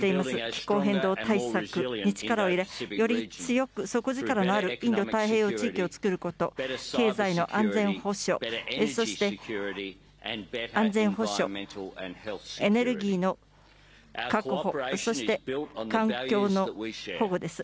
気候変動対策に力を入れ、より強く、底力のあるインド太平洋地域をつくること、経済の安全保障、そして安全保障、エネルギーの確保、そして環境の保護です。